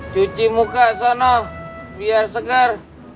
cuci muka sanah biar segar